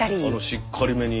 しっかりめに。